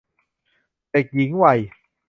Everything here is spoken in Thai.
เด็กหญิงวัย